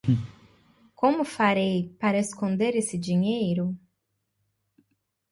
Como farei para esconder esse dinheiro?